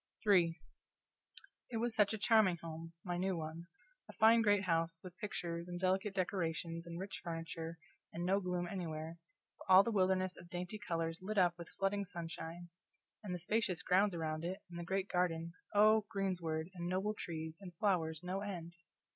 CHAPTER III It was such a charming home! my new one; a fine great house, with pictures, and delicate decorations, and rich furniture, and no gloom anywhere, but all the wilderness of dainty colors lit up with flooding sunshine; and the spacious grounds around it, and the great garden oh, greensward, and noble trees, and flowers, no end!